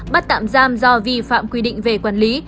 bắt tạm giam do vi phạm quy định về quản lý